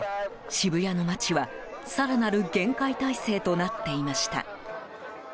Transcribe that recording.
渋谷の街は、更なる厳戒態勢となっていました。